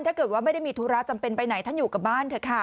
ถ้าเกิดว่าไม่ได้มีธุระจำเป็นไปไหนท่านอยู่กับบ้านเถอะค่ะ